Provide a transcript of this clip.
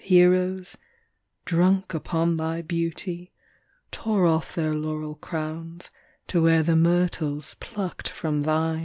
Heroes — drunk upon thy beauty — Tore off their laurel crowns to wear the myrtles plucked from thine.